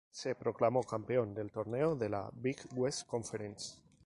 Se proclamó campeón del torneo de la Big West Conference.